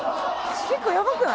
結構やばくない？